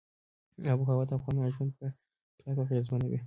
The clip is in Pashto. آب وهوا د افغانانو ژوند په کلکه اغېزمنوي.